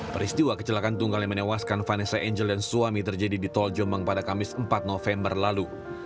peristiwa kecelakaan tunggal yang menewaskan vanessa angel dan suami terjadi di tol jombang pada kamis empat november lalu